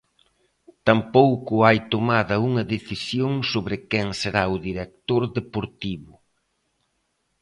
Tampouco hai tomada unha decisión sobre quen será o director deportivo...